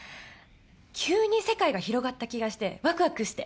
急に世界が広がった気がしてわくわくして。